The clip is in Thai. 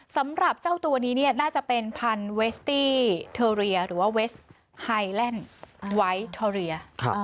สำหรับเจ้าตัวนี้เนี่ยน่าจะเป็นพันธุ์เวสตี้เทอเรียหรือว่าเวสไฮแลนด์ไวท์ทอเรีย